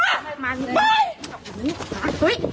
แม่กูมึงอย่าท้ายแล้วกันกูฮะฮะฮะอย่ายุ่งอย่ายุ่งหรือเปล่า